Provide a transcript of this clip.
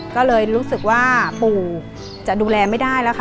ก็เลยรู้สึกว่าปู่จะดูแลไม่ได้แล้วค่ะ